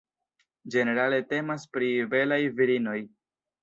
Ĝenerale temas pri belaj virinoj.